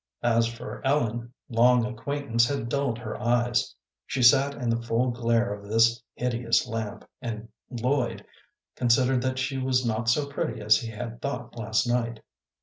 As for Ellen, long acquaintance had dulled her eyes. She sat in the full glare of this hideous lamp, and Lloyd considered that she was not so pretty as he had thought last night.